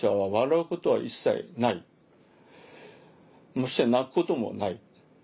ましてや泣くこともない。